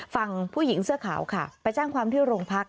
ฝั่งผู้หญิงเสื้อขาวค่ะไปแจ้งความที่โรงพัก